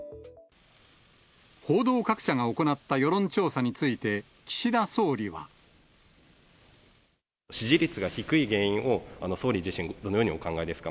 報道各社が行った世論調査について岸田総理は。支持率が低い原因を総理自身、どのようにお考えですか。